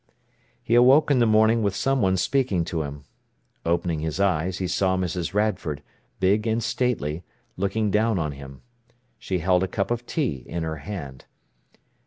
He awoke in the morning with someone speaking to him. Opening his eyes, he saw Mrs. Radford, big and stately, looking down on him. She held a cup of tea in her hand.